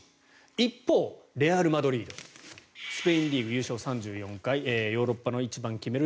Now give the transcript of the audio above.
一方、レアル・マドリードスペインリーグ優勝３４回ヨーロッパの一番を決める